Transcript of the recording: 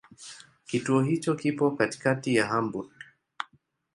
Kituo hicho kipo katikati ya Hamburg.